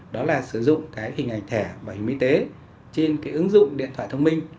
đó là sử dụng hình ảnh thẻ bảo hiểm y tế trên ứng dụng điện thoại thông minh